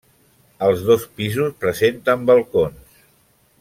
Els dos pisos presenten balcons.